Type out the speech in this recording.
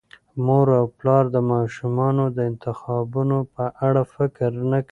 مور او پلار د ماشومانو د انتخابونو په اړه فکر نه کوي.